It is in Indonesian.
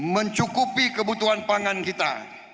mencukupi kebutuhan pangan kita